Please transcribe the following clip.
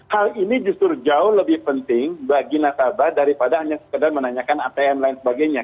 hal ini justru jauh lebih penting bagi nasabah daripada hanya sekedar menanyakan atm lain sebagainya